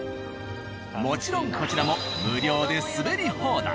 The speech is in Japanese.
もちろんこちらも無料で滑り放題。